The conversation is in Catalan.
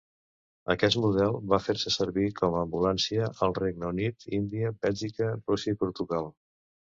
Aquest model va fer-se servir com a ambulància al Regne Unit, Índia, Bèlgica, Rússia i Portugal.